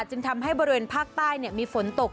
จึงทำให้บริเวณภาคใต้มีฝนตก